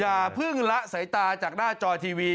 อย่าเพิ่งละสายตาจากหน้าจอทีวี